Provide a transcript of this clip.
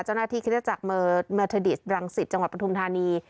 เจ้าหน้าที่คริสต์จากเมอร์เมอร์เทอร์ดิสรังศิษย์จังหวัดประธุมธานี